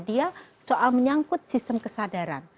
dia soal menyangkut sistem kesadaran